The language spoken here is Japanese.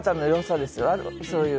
そういう。